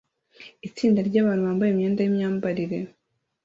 Itsinda ryabantu bambaye imyenda yimyambarire